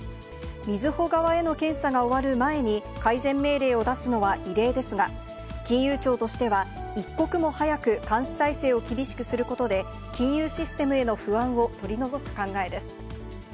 みずほ側への検査が終わる前に改善命令を出すのは異例ですが、金融庁としては、一刻も早く監視体制を厳しくすることで、金融システムへの不安を取り除く考えです。